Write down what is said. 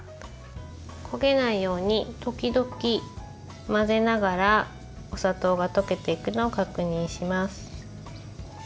焦げないように時々、混ぜながらお砂糖が溶けていくのを確認します。